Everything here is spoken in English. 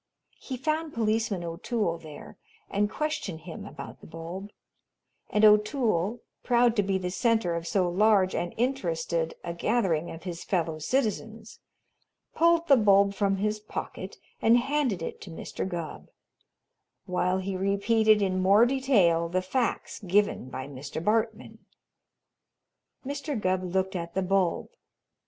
He found Policeman O'Toole there and questioned him about the bulb; and O'Toole, proud to be the center of so large and interested a gathering of his fellow citizens, pulled the bulb from his pocket and handed it to Mr. Gubb, while he repeated in more detail the facts given by Mr. Bartman. Mr. Gubb looked at the bulb.